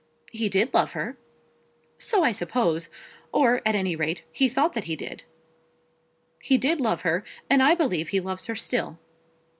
"He did love her." "So I suppose; or at any rate he thought that he did." "He did love her, and I believe he loves her still."